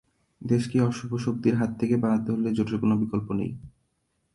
দেশকে অশুভ শক্তির হাত থেকে বাঁচাতে হলে জোটের কোনো বিকল্প নেই।